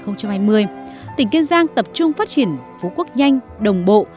năm hai nghìn hai mươi tỉnh kiên giang tập trung phát triển phú quốc nhanh đồng bộ